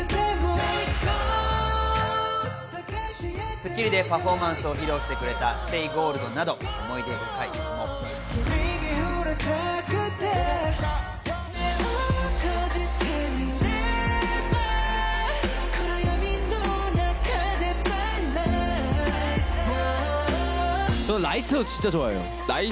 『スッキリ』でパフォーマンスを披露してくれた『ＳｔａｙＧｏｌｄ』など思い出深い曲も。